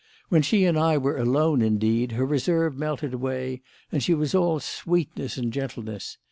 When she and I were alone, indeed, her reserve melted away and she was all sweetness and gentleness.